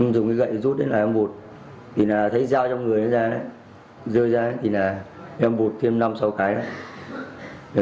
dùng cái gậy rút đến là em bụt thì là thấy dao trong người nó ra đó rơi ra thì là em bụt thêm năm sáu cái đó